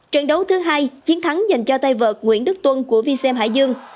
trận đấu thứ hai chiến thắng dành cho tay vợt nguyễn đức tuân của vxm hải dương